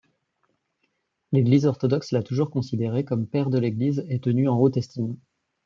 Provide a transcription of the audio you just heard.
L’Église orthodoxe l'a toujours considéré comme Père de l'Église et tenu en haute estime.